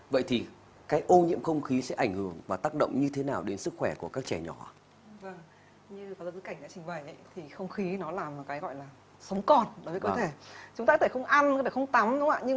vậy thì cái ô nhiễm không khí sẽ ảnh hưởng và tác động như thế nào đến sức khỏe của các trẻ nhỏ ạ